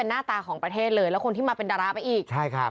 และคนที่มาเป็นดาราไปอีก